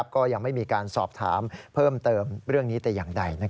ก็ยังไม่มีการสอบถามเพิ่มเติมเรื่องนี้แต่อย่างใด